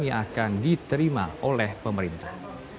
yang akan diterima oleh pemerintah